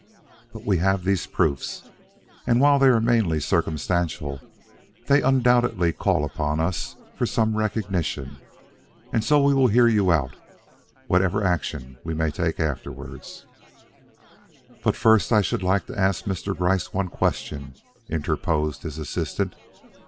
But we have these proofs, and while they are mainly circumstantial, they undoubtedly call upon us for some recognition, and so we will hear you out whatever action we may take afterward." "But first I should like to ask Mr. Gryce one question," interposed his assistant.